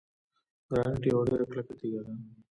ګرانیټ یوه ډیره کلکه تیږه ده.